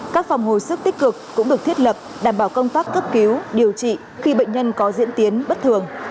các phòng hồi sức tích cực cũng được thiết lập đảm bảo công tác cấp cứu điều trị khi bệnh nhân có diễn tiến bất thường